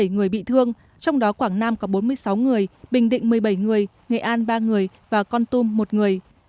bảy người bị thương trong đó quảng nam có bốn mươi sáu người bình định một mươi bảy người nghệ an ba người và con tum một người